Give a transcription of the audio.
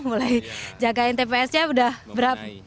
mulai jagain tpsnya udah berapa